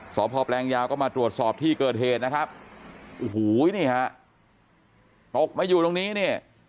สพแปลงยาวก็มาตรวจสอบที่เกิดเหตุนะครับโอ้โหนี่ฮะตกมาอยู่ตรงนี้เนี่ย